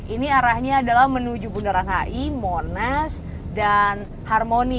ini arahnya adalah menuju bundaran hi monas dan harmoni